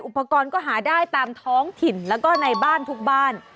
อุปกรณ์ก็หาได้ตามท้องถิ่นแล้วก็ในบ้านทุกบ้าน